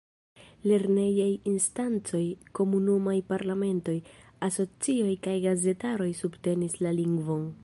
Lernejaj instancoj, komunumaj parlamentoj, asocioj kaj gazetaro subtenis la lingvon.